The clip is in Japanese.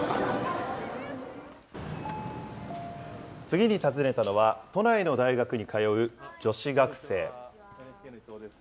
次に訪ねたのは、都内の大学に通う女子学生。